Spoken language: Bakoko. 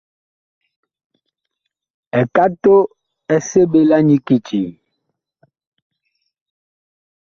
Ekato ɛ seɓe la nyi kiti ?